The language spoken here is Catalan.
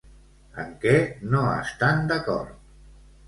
En què no estan d'acord?